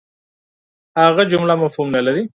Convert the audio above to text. هم جمله مفهوم نه لري.